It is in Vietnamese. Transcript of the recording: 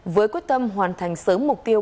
với quyết tâm hoàn thành sớm mục tiêu